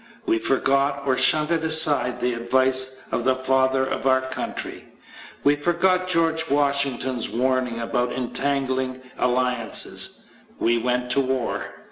We forgot, or shunted aside, the advice of the Father of our country. We forgot George Washington's warning about "entangling alliances." We went to war.